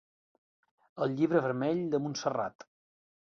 El Llibre Vermell de Montserrat.